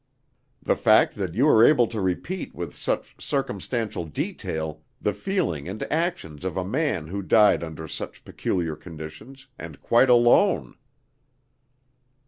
"The fact that you are able to repeat with such circumstantial detail the feelings and actions of a man who died under such peculiar conditions, and quite alone."